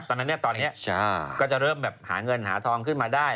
ตอนนี้ก็จะเริ่มหาเงินหาทองขึ้นมาได้